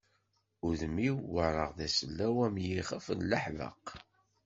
Udem-iw werraɣ d asellaw am yixef n laḥbeq.